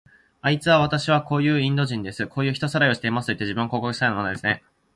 あいつは、わたしはこういうインド人です。こういう人さらいをしますといって、自分を広告していたようなものですね。